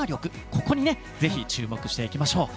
ここにぜひ注目していきましょう。